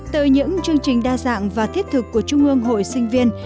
từ những chương trình đa dạng và thiết thực của trung ương hội sinh viên